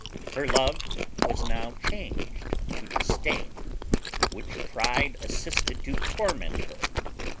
Her love was now changed to disdain, which pride assisted to torment her.